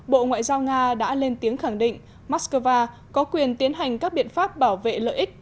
bộ ngoại giao nga đã lên tiếng khẳng định moscow có quyền tiến hành các biện pháp bảo vệ lợi ích